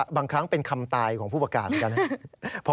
บางครั้งเป็นคำตายของผู้ประกาศเหมือนกันนะ